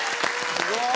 すごい！